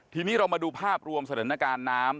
ทีนี้เรามาดูภาพรวมสถานการณ์น้ำ